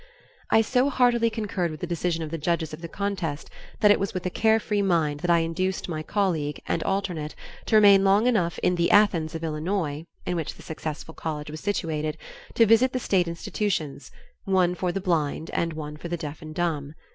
I so heartily concurred with the decision of the judges of the contest that it was with a care free mind that I induced my colleague and alternate to remain long enough in "The Athens of Illinois," in which the successful college was situated, to visit the state institutions, one for the Blind and one for the Deaf and Dumb.